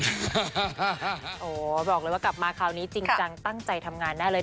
บอกละว่ากลับมาคราวนี้จริงจังตั้งใจทำงานได้เลย